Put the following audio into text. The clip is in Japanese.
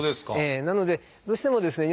なのでどうしてもですね